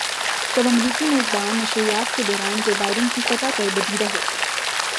جب امریکی میزبان نشریات کے دوران جو بائیڈن کی فتح پر بدیدہ ہوگئے